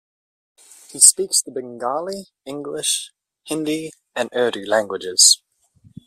He speaks the Bengali, English, Hindi, and Urdu languages.